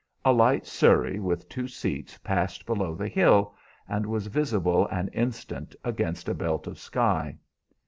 A light surrey with two seats passed below the hill, and was visible an instant against a belt of sky.